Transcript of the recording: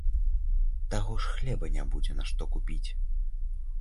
Таго ж хлеба не будзе на што купіць.